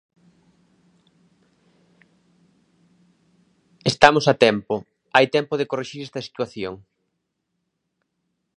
Estamos a tempo, hai tempo de corrixir esta situación.